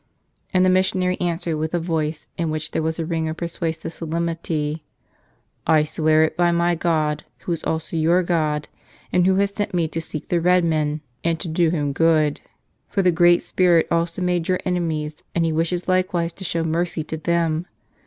And the missionary answered with a voice in which there was a ring of persuasive solemnity, "I swear it by my God, Who is also your God, and Who has sent me to seek the redman and to do him good! "For the Great Spirit also made your enemies, and He wishes likewise to show mercy to them.